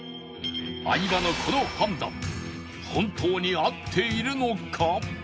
相葉のこの判断本当に合っているのか？